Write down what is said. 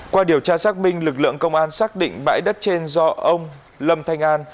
qua điều tra xác minh lực lượng công an xác định bãi đất trên do ông lâm thanh an